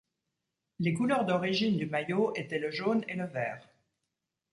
Les couleurs d'origines du maillot étaient le jaune et le vert.